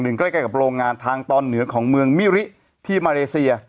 หนึ่งใกล้ได้กับโรงงานทางตอนเหนือของเมืองมิริส